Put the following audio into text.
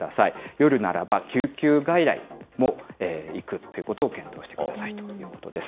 夜ならば救急外来も行くっていうことを検討してくださいということです。